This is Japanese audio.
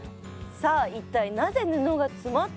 さあ一体なぜ布が詰まっているのか？